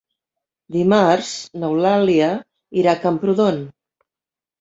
Dimarts n'Eulàlia irà a Camprodon.